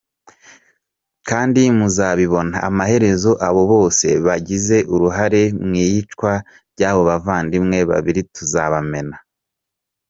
Kandi muzabibona amaherezo abo bose bagize uruhare mw’iyicwa ryabo bavandimwe babiri tuzabamena.”